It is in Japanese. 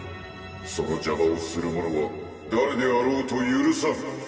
「その邪魔をする者は誰であろうとゆるさん」